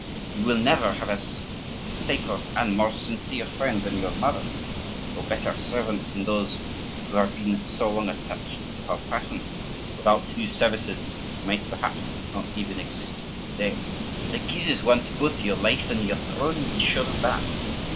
You will never have a safer and more sincere friend than your mother, or better servants than those who have been so long attached to her person, without whose services you might perhaps not even exist to day. The Guises want both your life and your throne, be sure of that.